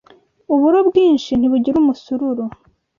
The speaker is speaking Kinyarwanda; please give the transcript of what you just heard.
Uburo bwinshi ntibugira umusururu